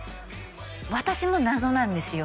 私も謎なんですよ